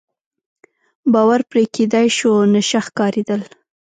باور پرې کېدای شو، نشه ښکارېدل.